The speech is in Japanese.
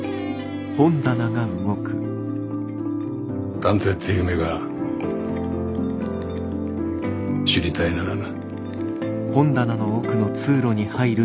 探偵って夢が知りたいならな。